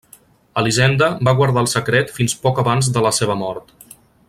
Elisenda va guardar el secret fins poc abans de la seva mort.